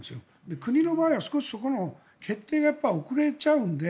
国の場合は、少しそこの決定が遅れちゃうので。